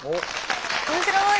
面白い！